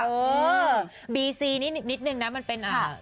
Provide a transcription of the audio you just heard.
อือบีซีนี้นิดนึงนะมันเป็นอ่า